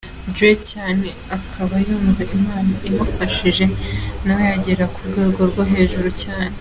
Dre cyane akaba yumva Imana imufashije nawe yazagera ku rwego rwo hejuru cyane.